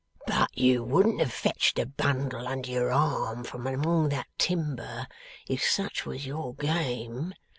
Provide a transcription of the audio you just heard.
'But you wouldn't have fetched a bundle under your arm, from among that timber, if such was your game!